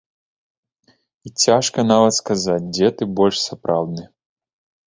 І цяжка нават сказаць дзе ты больш сапраўдны.